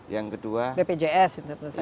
yang kedua bpjs